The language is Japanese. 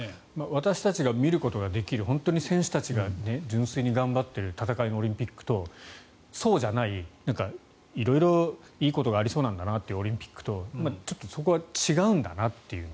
私たちが見ることのできる選手たちが純粋に頑張っている戦いのオリンピックとそうじゃない色々いいことがありそうなんだなというオリンピックとちょっとそこは違うんだなという。